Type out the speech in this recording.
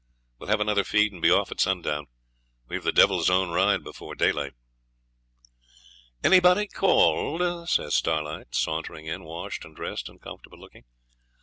We'll have another feed and be off at sundown. We've the devil's own ride before daylight.' 'Anybody called?' says Starlight, sauntering in, washed and dressed and comfortable looking.